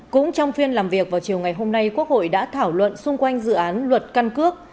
cũng trong phiên làm việc vào chiều ngày hôm nay quốc hội đã thảo luận xung quanh dự án luật căn cước